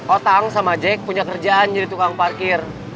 otang sama jack punya kerjaan jadi tukang parkir